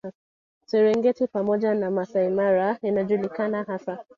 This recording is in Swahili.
Serengeti pamoja na Masai Mara inajulikana hasa